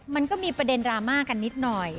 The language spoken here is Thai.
มันก็มีประเด็นดราม่ากันนิดหน่อย